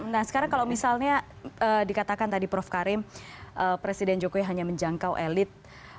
nah sekarang kalau misalnya dikatakan tadi prof karim presiden jokowi hanya menjangkau elit